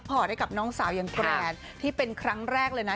พวกสาวยังแกรนที่เป็นครั้งแรกเลยนะ